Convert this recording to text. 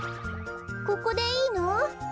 ここでいいの？